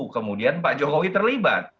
kemudian pak jokowi terlibat